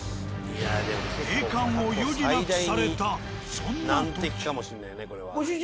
閉館を余儀なくされたそんな時。